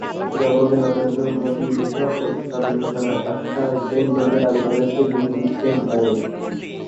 জবাবে নরেন্দ্র মোদি এসব প্রস্তাব বিবেচনার আশ্বাস দেন বলে দাবি করেছে বিজিএমইএ।